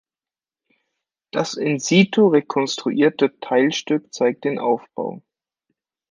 Das in situ rekonstruierte Teilstück zeigt den Aufbau.